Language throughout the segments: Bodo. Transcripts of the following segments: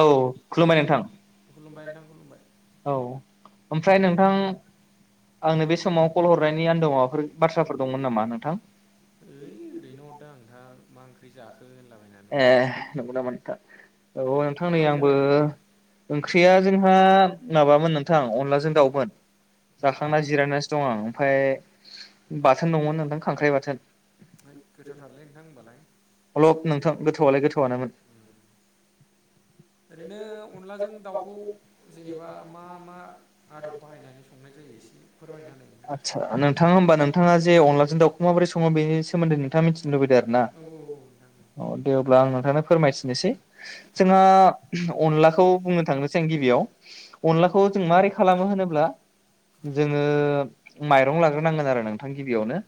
औ खुलुमबाय नोंथां। खुलुमबाय नोंथां खुलुमबाय औ ओमफ्राय नोंथां आंनो बे समाव कल हरनायनि आन्दोव माबाफोर ओइ बाथ्राफोर दंमोन नामा नोंथां? ओइ ओरैनो हरदां आं नोंथां मा ओंख्रि जाखो होनलाबायनानै ए नंगौ नामा नोंथां औ नोंथां मा नै ओंख्रि आंबो जाखो ओंख्रिया जोंहा माबामोन नोंथां अनलाजों दाउमोन बा जाखांना जिरायनानैसो दं आं ओमफ्राय बाथोन दङमोन नोंथां खांख्राइ बाथोन। है गोथावथारलै नोंथां होनबालाय हलब नोंथां गोथावआलाय गोथावआनोमोन [inaudible] ओरैनो अनलाजों दाउखौ जेनेबा मा- मा आदब बाहायनानै संनाय जायो? एसे फोरमायना होनाय आदसा नोंथाङा होमबा नोंथाङा जे अनलाजों दाउखौ माबोरै सङो बेनि सोमोन्दै नोंथाङा मिथिनो लुबैदों आरो ना। नोंथां औ औ नोंथां औ दे अब्ला आं नोंथांनो फोरमायथिनोसै। जोंहा अनलाखौ बुंनो थांनोसै आं गिबियाव अनलाखौ जों मारै खालामो होनोब्ला जोङो माइरं लाग्रोनांगोन आरो नोंथां गिबियावनो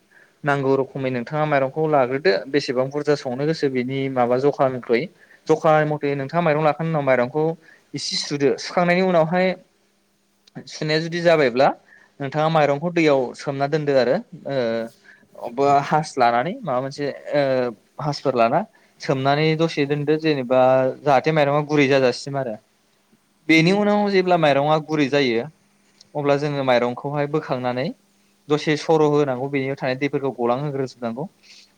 नांगौ रोखोमै नोंथाङा माइरंखौ लाग्रोदो बेसेबां बुरजा संनो गोसो बेनि माबा जखानिख्रुइ। जखा मथे नोंथाङा माइरं लाखांनायनिनो उनाव माइरंखौ इसे सुदो। सुखांनायनि उनावहाय सुनाया जुदि जाबायब्ला नोंथाङा माइरंखौ दैयाव सोमना दोनदो आरो। ओ अबबा हास लानानै माबा मोनसे हासफोर लाना सोमनानै दसे दोनदो जेनेबा जाहाथे माइरंआ गुरै जाजासिन आरो। बेनि उनाव जेब्ला माइरंआ गुरै जायो अब्ला जों माइरंखौहाय बोखांनानै दसे सर' होनांगौ बेनियाव थानाय दैफोरखौ गलांहोग्रोजोबनांगौ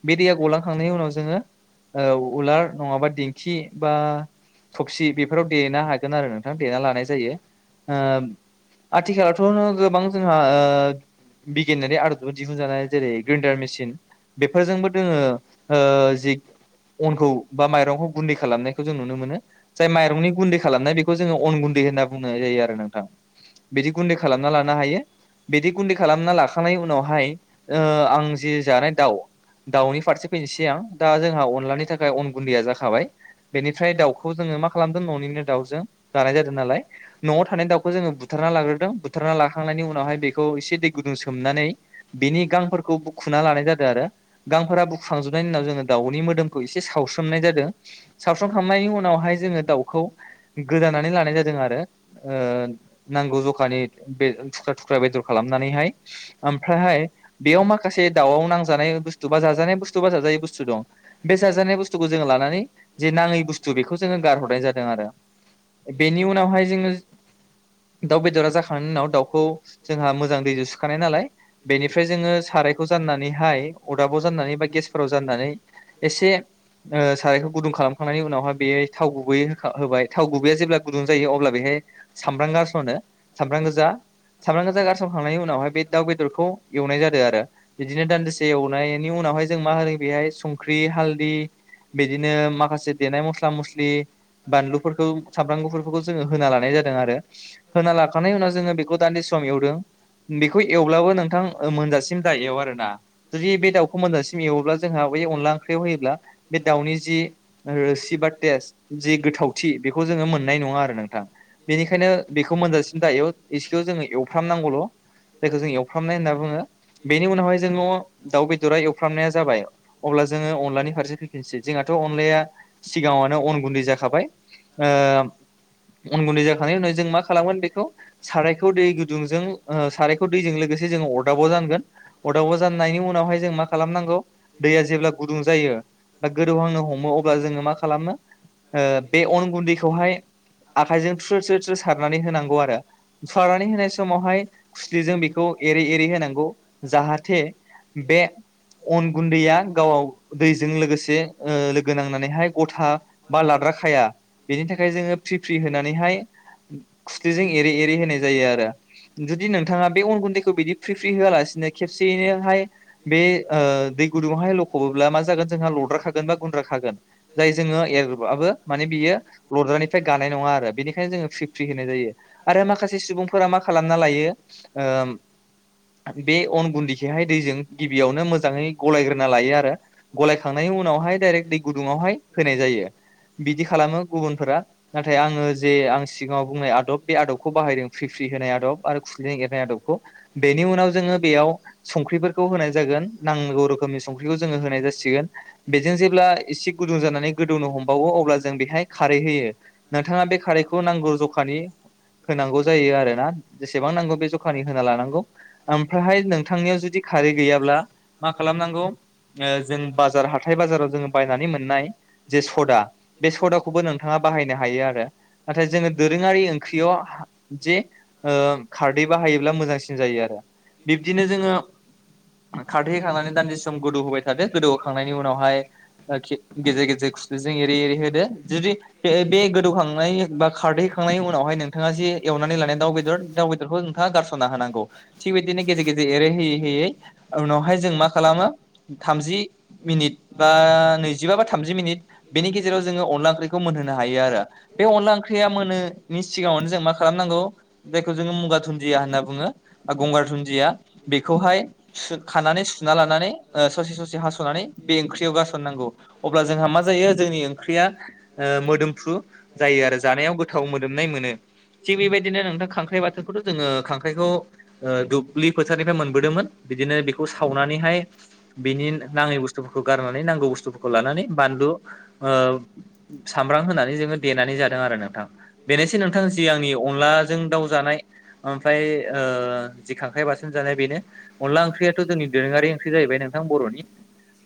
बे दैया गलांखांनायनि उनाव जोङो उलार नङाबा दिंखि बा थबसि बेफोराव देनो हागोन आरो नोंथाङा देना लानाय जायो ओ आथिखालावथ' गोबां जोंहा बिगियानारि आदबजों दिहुनजानाय जेरै ग्रेन्डार मेसिन बेफोरजोंबो दोङो जि अनखौ बा माइरंखौ गुन्दै खालामनायखौ जों नुनो मोनो जाय माइरंनि गुन्दै खालामनाय बेखौ जोङो अन गुन्दै होनना बुंनाय जायो आरो नोंथां बिदि गुदै खालामना ला नो हायो बिदि गुदि खालामना लाखांनायनि उनावहाय आं जि जानाय दाउ दाउनि फारसे फैनोसै आं दा जोंहा अनलानि थाखाय अन गुन्दैया जाखाबाय बेनिफ्राय दाउखौ जोङो मा खालामदों न'निनो दाउजों दानाय जादों नालाय न'आव थानाय दाउखौ जोङो बुथार बुथना लाग्रदों बुथार ला खांनायनि उनावहाय बेखौ एसे दै गुदुं सोमनानै बेनि गांफोरखौ खुना लानाय जादों आरो गांफोरा बुख्रांजोबनायनि उनाव जोङो दाउनि मोदोमखौ एसे सावस्रोमनाय जादों सावस्रोमखांनायनि उनावहाय जोङो दाउखौ गोदानानै लानाय जादों आरो नांगौ जखानि बे थुख्रा -थुख्रा बेदर खालामनानै हाय ओमफ्रायहाय बेयाव माखासे दावआव नांजानाय बुस्थु बा जाजानाय [unintelligible] बे जाजानाय बुुखौ जोङ लानानै जे नाङै बुस्थु बेखौ जों गारहरो [unintelligible] आरो बेनि उनावहाय जोङो दाउ बेदरा जाखांनायनि उनाव दाउ [unintelligible] जोंहा मोजां दैजों सुखानाय नालाय बेनिफ्राय जोङो सारायखौ जनानैहाय अरदाबाव जा बा गेसफोराव जनानै एसे ओम सारायखौ गुदुं खालामखांनायनि उनावहााय बे थाव गुबै होबाय थाव गुबैया जेब्ला गुदुं जायो अब्ला बेहाय सामब्राम गासनो सामब्राम गोजा सामब्राम गोजा गारसावखांनायनि उनावहाय बे दाउ बेदरखौ एवनाय जादों आरो बिदिनो दान्दिसे एवनायनि उनाव उनावहाय जों मा होनदों बेहाय संख्रि हालदै बिदिनो माखासे देनाय मस्ला मस्लि बानलुफोरखौ सामब्राम गुफुरफोरखौ जोङो होना लानाय जादों आरो होना लाखानाय उनाव जोङो बेखौ दान्ददिसे सम एवदों बेखौ एवब्लाबो नोंथां मोनजासिम दा एव आरो ना जुदि बे दाउखौ मोनजासिम एवोब्ला जोंहा अनला ओंख्रियाव होयोब्ला बे दाउनि जि रोसि बा टेस्त जि गोथावथि बेखौ जों मोननाय नङा आरो नोंथां बेनिखायनो बेखौ मोनजासिनो दा एउ इसे बेयाव जोङो एवफ्रामनांगौल' जायखौ जों एवफ्रामनाय होनना बुङो बेनि उनावहाय जोङो दाउ बेदरा एवफ्रामनाया जाबाय अब्ला जोङो अनलानि फारसे फैफिनसै जोंहाथ' अनलाया सिगाङनो अन गुन्दै जाखाबाय ओ अन गुन्दै जाखांनाय उनाव जों मा खालामगोन बेखौ साराय सारायखौ दै गुदुंजों सारायखौ दैजों लोगोसे जों अदाबाव जानांगोन अदाबाव जानायनायनि उनावाय जों मा खालामनांगौ दैया जेब्ला गुदुं जायो बा गोदौहांनो हमो अब्ला जोङो मा खालामनो ओ बे अन गुन्दैखौहाय आखायजों थ्रो थ्रो थ्रो सारनानै होनांगौ आरो सारनना होनाय समावहाय खुस्लिजों बेखौ एरै एरै होनांगौ जाहाथे बे अन गुन्दैया गावाव दैजों लोगोसे ओ लोगो नांनानैहाय गथा बा लाद्रा खाया बेनि थाखाय जों फ्रि फ्रि होनानै हाय खुस्लिजों एरै एरै हो होनाय जायो आरो जुदि नोंथाङा बे अन गुन्दैखौ बिदि फ्रि फ्रि होआलासिनो खेबसेयैनोहाय बे ओ दै गुदुङावहाय लख'बोब्ला मा जागोन जोंहा लद्राखागोन बा गुन्द्राखागोन जाय जोङो माने बियो लद्रानिफ्राय गानाय नङा आरो बेनिखायनो जोङो फ्रि फ्रि होनाय जायो आरो माखासे सासे सुबुंफोरा मा खालामना लायो ओ बे अन गुन्दै खौहाय दैजों गिबियावनो मोजाङै गलायग्रोना लायो आरो गलायखांनाय उनावहाय डाइरेक दै गुदुङावहाय होनाय जायो बिदि खालामो गुबुनफोरा नाथाय आङो जे आं सिगाङाव बुंनाय आदब बे आदबखौ बाहायदों फ्रि फ्रि होनाय आदब आरो खुस्लिजों एरनाय आदबखौ बेनि उनाव जोङो बेयाव संख्रिफोरखौ होनाय जागोन नांगौ रोखोमनि संख्रिखौ जोङो होनाय जासिगोन बेजों जेब्ला एसे गुदुं जानानै गोदौनो हम हमो अब्ला जों बिहाय खारै होयो नोंथाङा बे खारैखौ नांगौ जखानि होनांगौ जायो आरो ना जेसेबां नांगौ बे जखानि होना लानांगौ ओमफ्राय हाय नोंथांनियाव जुदि खारै गैयाब्ला ब्ला मा खालामनांगौ जों बाजार हाथाय बाजाराव बायनानै मोननाय सद सदा बे सदाखौबो नोंथाङा बाहायनो हायो आरो नाथाय जोङो दोरोङारि ओंख्रियाव जे खारदै बाहायोब्ला मोजांसिन जायो आरो बिब्दिनो जोङो खारहै खांनानै दान्दिसे सम गोदौ होबाय था थादो गोदौखांनायनि उनावहाय गेजेर गेजेर खुसलिजों एरै एरै होदो जुदि बे बे गोदौखांनायनि बा खारदैखांनायनि उनावहाय नोंथाङा जे एवनानै लानाय दाउ बेदर दाउ बेदरखौ नोंथाङा गारस'ना होनांगौ थिग बिदिनो गेजेर गेजेर एरै होयै होयै उनावहाय जों मा खालामो थामजि मिनिट बा नैजिबा बा थामजि मिनिट बेनि गेजेराव जोङो अनला ओंख्रिखौ मोनहोनो हायो आरो बे अनला ओंख्रिया मोनोनि सिगाङावनो जों मा खालामनांगौ जायखौ जोङो मुगा धुनन्दिया होनना बुङो गंगार धुनन्दिया बेखौहाय खानानै सुना लानानै ओ ससे ससे हास'नानै बे ओंख्रियाव गारसननांगौ अब्ला जोंहा मा जायो जों जोंनि ओंख्रिया ओ मोदोमफ्रु जायो आरो जानायाव गोथाव मोदोमनाय मोनो थिग बेबायदिनो नोंथां खांख्राइ बाथोनखौथ' जोङो खांख्राइखौ दुब्लि फोथारनिफ्राय मोनबोदोंमोन बिदि बिदिनो बेखौ सावनानैहाय बिनि नाङै बुस्थुफोरखौ गारनानै नांगौ बुस्थुफोरखौ लानानै बानलु ओ सामब्राम होनानै जोङो देनानै जादों आरो नोंथां बेनोसै नोंथां जि आंनि अनलाजों दाउ जानाय ओमफ्राय ओ जि खांख्राइ बाथोन जानाया बेनो अनला ओंख्रियाथ' जोंनि दोरोङारि ओंख्रि जाहैबाय नोंथां बर'नि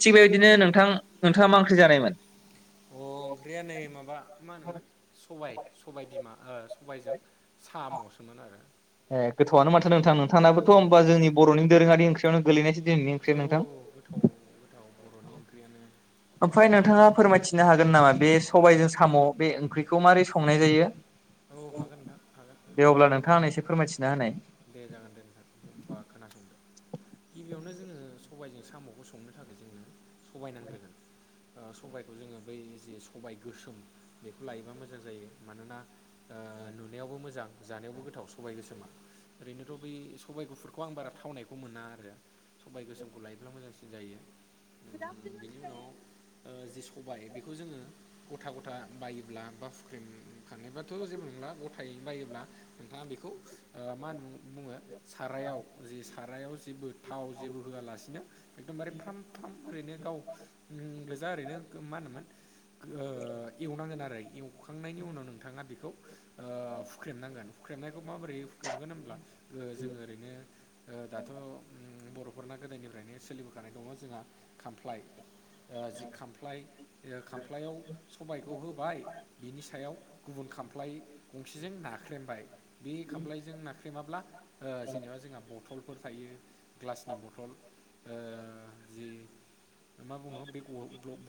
थिग बेबायदिनो नोंथां नोंथाङा मा ओंख्रि जानायमोन अ ओंख्रिया नै माबा मा होनोमोन सबाय सबाय बिमा ओ सबायजों साम'सोमोन आरो ए गोथौआनो माथो नोंथां गो नोंथाङनाबोथ' औ होमबा जोंनि बरनि दोरोङारि ओंखयावनो गोलैनाय औ औ गोथाव गोथाव बर'नि ओंख्रियानो ओमफ्राय नोंथाङा फोरमायथिनो हागोन नामा बे सबायजों साम' बे ओंख्रिखौ मारै संनाय जायो औ हागोन नोंथां हागोन दे अब्ला नोंथाङा आंनो एसे फोरमायथिना होनाय दे जागोन दे नोंथां होनथबा खोनासंदो गिबियावनो जोङो सबायजों साम'खौ संनो थाखाय जोङो सबाय नांग्रोगोन ओ सबायखौ जोङो बै जे सबाय गोसोम बेखौ लायोबा मोजां जायो मानोना ओ नुनायावबो मोजां जानायावबो गोथाव सबाय गोसोमा ओरैनोथ' बै सबाइ गुफुरखौ आं बारा थावनायखौ मोना आरो सबाय गोसोमखौ लायोब्ला मोजांसिन जायो गुद उम आफ्टारन बिनि उनाव फ्रन्ड ओ जि सबाय बेखौ जोङो गथा गथा बायोब्ला बा हुख्रेमनो थांनाय बाथ' जेबो नंला गथायै बायोब्ला नोंथाङा बेखौ ओ मा नो बुङो सारायाव जि सारायाव जे बे थाव जेबो होआलासिनो एकदमबारे फ्राम फ्राम ओरैनो गाव उम दा ओरैनो मा होनोमोन ओ एवनांगोन आरो एवखांनायनि उनाव नोंथाङा बेखौ ओ हुख्रेमनांगोन हुख्रेमनायखौ माबोरै हुख्रेमगोन ओ जोङो ओरैनो ओ दाथ' उ बर' फोरना गोदायनिफ्रायनो सोलिबोखानाय दङ जोंहा खामफ्लाय ओ जि खामफ्लाय ओ खामफ्लायाव सबबाय खौ होबाय बिनि सायाव गुबुन खामफ्लाय गंसेजों नाख्रेमबाय बे खाम्लायजों नाख्रेमाब्ला ओ जेनेबा जोंहा बट बथलफोर थायो ग्लासनि बथल ओ जि मा बुङो बे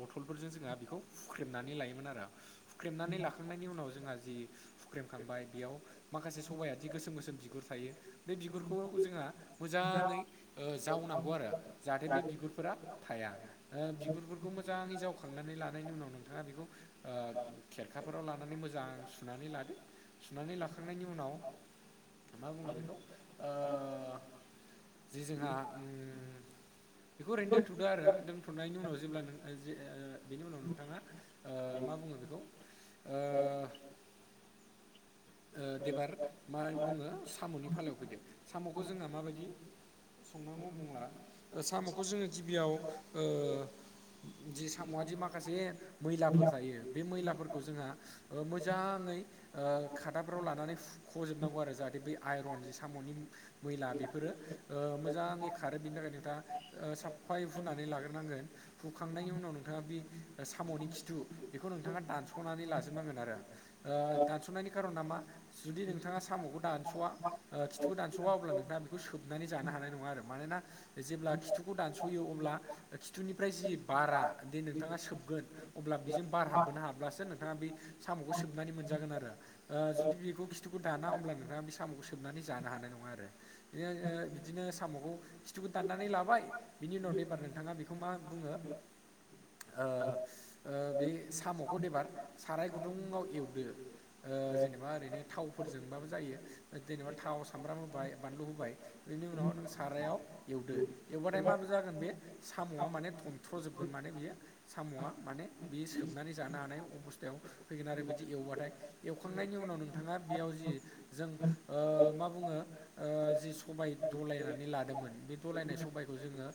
बथलफोरजों जोंहा बेखौ हुख्रेमनानै लायोमोन आरो हुख्रेमनानै लाखांनायनि उनाव जोंहा जि हुख्रेमखांबाय बेयाव माखासे सबाया जि गोसोम गोसोम जि बिगुर थायो बे बिगुरखौ जोंहा मोजाङै ओ जावनांगौ आरो जाहाथे बे बिगुरफोरा थाया ओ बिगुरफोरखौ मोजाङै जावखांनानै लानायनि उनाव नोंथाङा बेखौ ओ खेरखाफोराव लानानै मोजां सुनानै लादो सुनानै लाखांनायनि उनाव मा बुङो बेखौ ओ जि जोंहा उम बेखौ ओरैनो दोन्थ'दो आरो दोनथ'नायनि उनाव जेब्ला नों जे बेनि उनाव नोंथाङा मा बुङो बेखौ औ एबार मा बुङो साम'नि फालायाव फैदो साम'खौ जोंहा माबायदि संनांगौ बुंब्ला साम'खौ जोङो गिबियाव जि साम'आदि माखासे मैलाफोर थायो बे मैलाफोरखौ जोंहा मोजां नै ओ फोराव लानानै फुख'जोबनांगौ आरो जाहाथे बै आइरन जि साम'नि मैला बेफोरो मोजां ङै खारो बेनि थाखाय नोंथाङा साफायै हुनानै लाग्रोनांगोन हुखांनायनि उनाव नोंथाङा बे साम'नि खिथु बेखौ नोंथाङा दानस'नानै लाजोबनांगोन आरो ओ दानस'नायनि खारना मा जुदि नोंथाङा साम'खौ दानस'वा ओ खिथुखौ दानस'वा अब्ला नोंथाङा बेखौ सोबनानै जानो हानाय नङा आरो मानोना जेब्ला खिथुखौ दानस'यो अब्ला खिथुनिफ्राय जि बारा बिदिनो नोंथाङा सोबगोन अब्ला बेजों बार हाबहोनो हाब्लासो नोंथाङा बे साम'खौ सोबनानै मोनजागोन आरो ओ जुदि बेखौ खिथुखौ दाना होमब्ला नोंथाङा बे साम'खौ सोबनानै जानो हानाय नङा आरो बि बिदिनो साम'खौ खिथुखौ दाननानै लाबाय बिनि उनाव एबार नोंथाङा बेखौ मा बुङो? ओ ओ बे साम'खौ एबार साराय गुन्दुआव एवदो ओ ओरैनो थावफोरजोंबाबो जायो जेनेबा थाव सामब्राम होबाय बानलु होबाय बेनि उनाव नों सा रायाव एवदो एवखांनानै माबादि जागोन बेयो साम'आ थनथ जोबगोन माने बेयो साम' माने बि सोबनानै जानो हानाय अबस्थायाव फैगोन आरो बिदि एवबाथाय एवखांनायनि उनाव नोंथाङा बेयाव जि जों ओ मा बुङो ओ जि सबाय दुलायनानै लादोंमोन बे दुलायनाय सबायखौ जोङो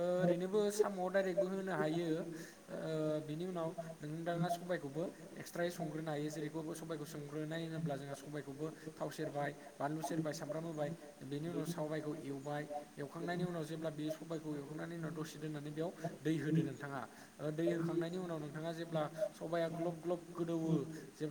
ओरैनोबो साम'आव डाइरेक्टबो होनो हायो। बियो ओ बिनि उनाव नोंथांङा सबायखौबो एक्सट्रायै संग्रोननो हायो जेरै बेखौ सबबायखौ संग्रोनाय होनोब्ला जोंङो सबाइखौबो थाव सेरबाय बानलु सेरबाय सामब्राम होबाय बेनि उनाव सबायखौ एवबाय एवखांनायनि उनाव जेब्ला बे सबायखौ माने उनाव दसे दोननानै बेयाव दै होदो नोंथांङा दै हो खांनायनि उनाव नोंथाङा जेब्ला सबाया ग्लब ग्लब गोदौवो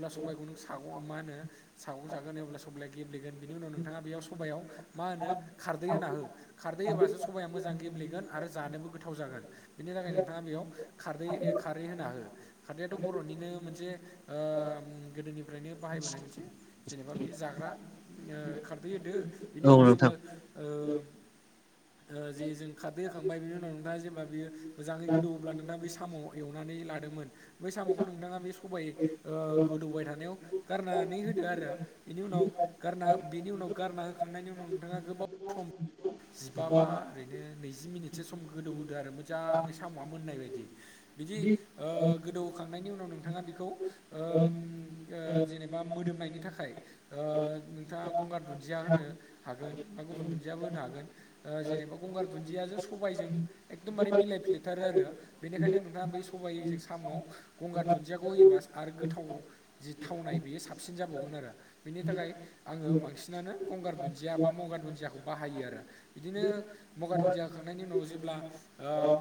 सबाइखौ नों सागं माहोनो सागं सागोन अब्ला सबाइया गेब्लेगोन बिनि उनाव नोंथाङा बेयाव सबाइयाव मा मा होनो खारदै होना हो खारदै होबासो सबाया मोजां गेब्लेगोन आरो जानोबो गोथाव जागोन बिनि थाखाय नोंथाङा बेयाव खारदै खारै होना हो खारदैआथ' बर'निनो मोनसे ओ उम गोदोनिफ्रायनो बाहायबोनाय मोनसे जेनेबा बेयो जाग्रा उम खारदै होदो। बिनि औ उनाव नोंथां जेब्ला ओ ओ जे जों खारदै होखांबाय बिनि उनाव नोंथाङा जेब्ला बियो मोजाङै गोदौवोब्ला नोंथाङा बे साम' एवनानै ला दोंमोन बै साम'खौ नोंथाङा बे सबाइ ओ गोदौबाय थानायाव गारनानै होदो आरो बेनि उनाव गारना बेनि उनाव गारना होखांनायनि उनाव नोंथाङा गोबाव जिबाबा ओरैनो नैजि मिनिटसो सम गोदौ होदो आरो मोजाङै साम'आ मोननाय बायदि बिदि ओ गोदौखांनायनि उनाव नोंथाङा बेखौ ओ उम ओ जेनेबा मोदोमनायनि थाखाय ओ नोंथाङा गंगार दुन्दिया होनो हागोन बा गुबुन दुन्दियाबो होनो हागोन ओ जेनेबा गंगार दुन्दिजों सबाइजों एकदमबारे मिलायफ्लेथारो आरो बेनिखायनो नों थां बै सबाइजों साम'आव गंगार दुन्दियाखौ होयोबा आरो गोथाव जि थावनाय बेयो साबसिन जाबावगोन आरो बिनि थाखाय आङो बांसिनानो गंगार दुन्दिया बा मगार दुन्दियाखौ बाहायो आरो बिदिनो मगा दुन्दियााखांनायनि उनाव जेब्ला ओम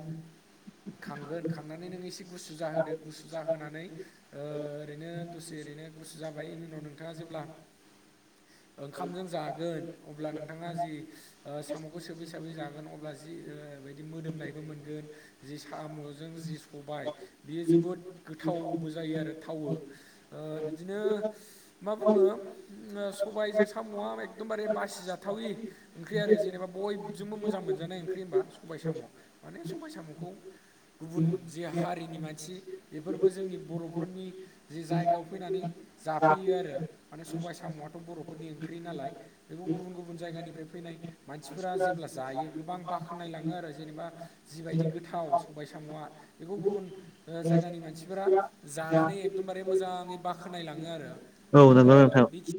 खांगोन खांनानै ननो एसे गुसु जाहोदो गुसु जाहोनानै ओरैनो दसे ओरैनो गुसु जाबाय बेनि उनाव नोंथाङा जेब्ला ओंखामजों जागोन अब्ला नोंथाङा जि ओ साम'खौ सोबै सोबै जागोन अब्ला जि ओरैबादि मोदोमनायबो मोनगोन जि साम'जों जि सबाय बेयो जोबोद गोथावबो जायो आरो थावो ओ बिदिनो मा बुङो सबायजों साम'आ एकदमबारे बासिजाथावि ओंख्रि आरो जेनेबा ब बयजोंबो मोजां मोनजानाय ओंख्रि होनबा सबाय साम' माने सबाय साम'खौ गुबुन जि हारिनि मानसि बेफोरबो जोंनि बर'फोरनि जि जायगायाव फैनानै जाफैयो आरो माने सबाय साम'आथ' बर'फोरनि ओंख्रि नालाय, बेखौ गुबुन गुबुन जायगानिफ्राय फैनाय मानसिफोरा जेब्ला जायो गोबां बाख्नायलाङो आरो जेनेबा जिबायदि गोथाव सबाय साम'आ बेखौ गुबुन जायगानि मानसिफोरा जानानै एकदमबारे मोजाङै बाखनाय लाङो आरो ओ नंगौ नोंथां। बेखिनि